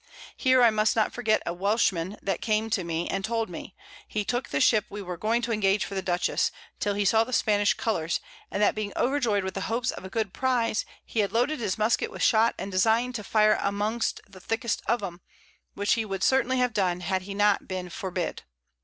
Here I must not forget a Welchman that came to me, and told me, He took the Ship we were going to engage for the Dutchess, till he saw the Spanish Colours, and that being over joyed with the Hopes of a good Prize, he had loaded his Musket with Shot, and design'd to fire amongst the thickest of 'em, which he would certainly have done, had he not been forbid.